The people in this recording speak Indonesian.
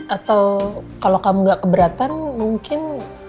atau kalau kamu gak keberatan mungkin